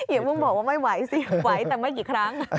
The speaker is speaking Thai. อย่าเพิ่งบอกว่าไม่ไหวสิไหวแต่ไม่กี่ครั้ง